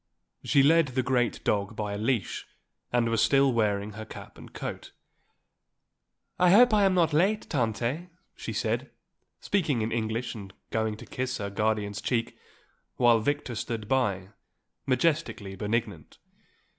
She led the great dog by a leash and was still wearing her cap and coat. "I hope I am not late, Tante," she said, speaking in English and going to kiss her guardian's cheek, while Victor stood by, majestically benignant.